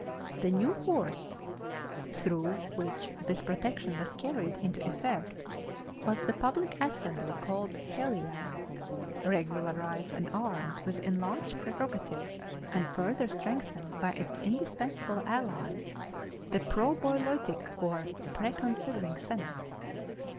The new force, through which this protection was carried into effect, was the public assembly called Heliæa, regularized and armed with enlarged prerogatives and further strengthened by its indispensable ally the pro bouleutic, or pre considering, senate.